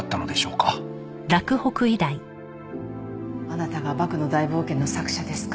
あなたが『バクのだいぼうけん』の作者ですか。